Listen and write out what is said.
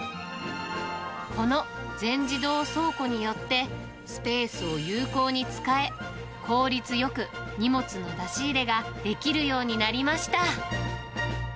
この全自動倉庫によって、スペースを有効に使え、効率よく荷物の出し入れができるようになりました。